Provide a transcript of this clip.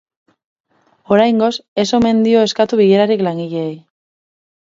Oraingoz, ez omen dio eskatu bilerarik langileei.